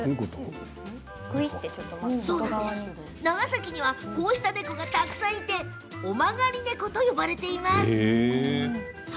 長崎にはこうした猫がたくさんいて尾曲がり猫と呼ばれます。